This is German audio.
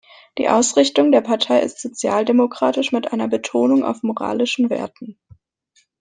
Die Ausrichtung der Partei ist sozialdemokratisch mit einer Betonung auf moralischen Werten.